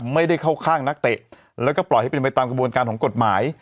ไม่ได้เข้าข้างนักเตะแล้วก็ปล่อยให้เป็นไปตามกระบวนการของกฎหมาย